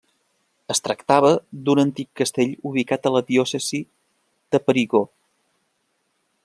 Es tractava d'un antic castell ubicat a la diòcesi de Périgueux.